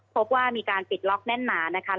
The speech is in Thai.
พบว่ามีการปิดล็อกแน่นหนานะคะ